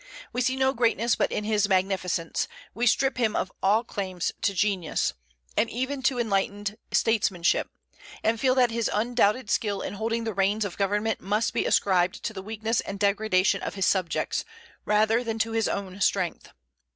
We see no greatness but in his magnificence; we strip him of all claims to genius, and even to enlightened statesmanship, and feel that his undoubted skill in holding the reins of government must be ascribed to the weakness and degradation of his subjects, rather than to his own strength.